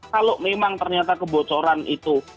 kalau memang ternyata kebocoran itu